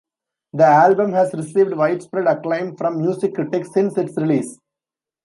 The album has received widespread acclaim from music critics since its release.